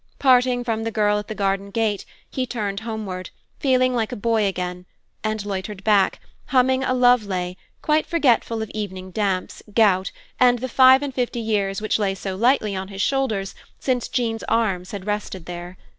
Parting from the girl at the garden gate, he turned homeward, feeling like a boy again, and loitered back, humming a love lay, quite forgetful of evening damps, gout, and the five and fifty years which lay so lightly on his shoulders since Jean's arms had rested there.